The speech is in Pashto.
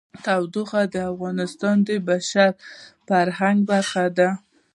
تودوخه د افغانستان د بشري فرهنګ برخه ده.